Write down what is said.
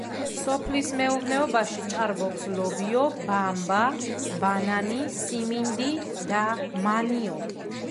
სოფლის მეურნეობაში ჭარბობს ლობიო, ბამბა, ბანანი, სიმინდი და მანიოკი.